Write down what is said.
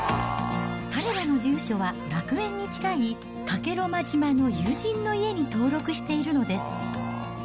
彼らの住所は楽園に近い加計呂麻島の友人の家に登録しているのです。